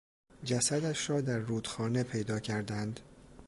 جسدش را در رودخانه پیدا کردند.